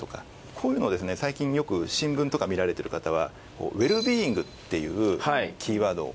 こういうのをですね最近よく新聞とか見られてる方はウェルビーイングっていうキーワードを。